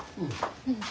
うん。